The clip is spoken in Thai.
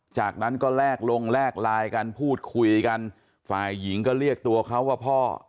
จากนั้นก็แลกลงแลกไลน์กันพูดคุยกันฝ่ายหญิงก็เรียกตัวเขาว่าพ่อ